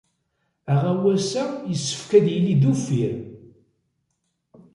Aɣawas-a yessefk ad yili d uffir.